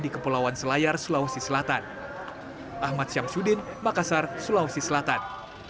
di kepulauan selayar sulawesi selatan